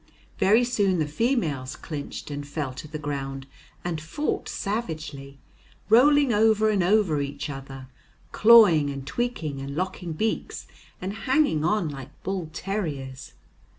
Very soon the females clinched and fell to the ground and fought savagely, rolling over and over each other, clawing and tweaking and locking beaks and hanging on like bull terriers.